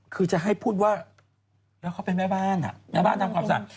คือจะให้พูดว่าแล้วเขาเป็นแม่บ้านแม่บ้านทำความสะอาด